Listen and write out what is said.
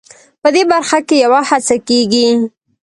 په دې برخه کې یوه هڅه کېږي.